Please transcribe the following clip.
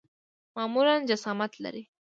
معمولاً جسامت لري.